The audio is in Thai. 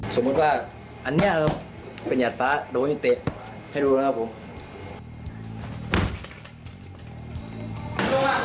สมมุติว่าอันนี้เป็นหัดฟ้าโดนเตะให้ดูนะครับผม